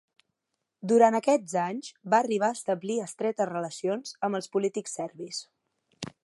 Durant aquests anys va arribar a establir estretes relacions amb els polítics serbis.